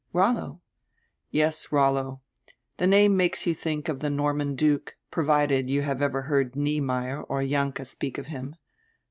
"Rollo?" "Yes, Rollo. The name makes you think of the Norman Duke, provided you have ever heard Niemeyer or Jahnke speak of him.